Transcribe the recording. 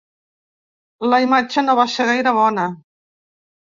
La imatge no va ser gaire bona.